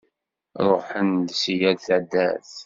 Ṛuḥen-d si yal taddart.